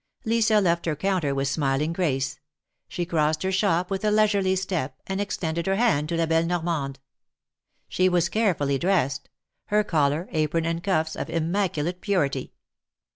Lisa left her counter with smiling grace. She crossed her shop with a leisurely step, and extended her hand to La belle Normande. She was carefully dressed : her collar, apron and cuffs of immaculate purity.